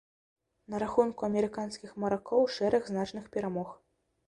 На рахунку амерыканскіх маракоў шэраг значных перамог.